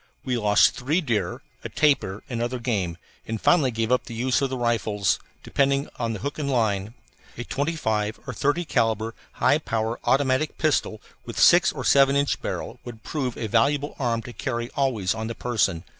We lost three deer, a tapir, and other game, and finally gave up the use of the rifles, depending upon hook and line. A 25 or 30 calibre high power automatic pistol with six or seven inch barrel would prove a valuable arm to carry always on the person.